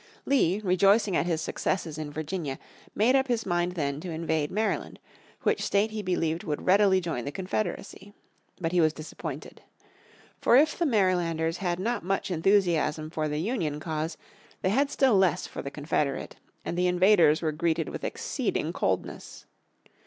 Lee, rejoicing at his successes in Virginia, made up his mind then to invade Maryland, which state he believed would readily join the Confederacy. But he was disappointed. For if the Marylanders had not much enthusiasm for the Union cause they had still less for the Confederate, and the invaders were greeted with exceeding coldness.